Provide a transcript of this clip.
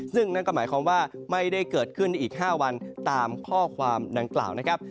ซึ่งนั่นก็หมายความว่าไม่ได้เกิดขึ้นในอีก๕วันตามข้อความดังกล่าวนะครับ